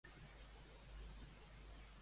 Hi ha un llibre que es titula l'últim català